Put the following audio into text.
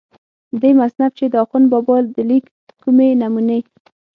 دې مصنف چې دَاخون بابا دَليک کومې نمونې